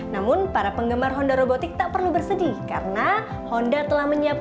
namun para penggemar honda robotik tak perlu bersedih karena honda telah menyiapkan